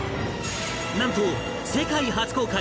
なんと世界初公開！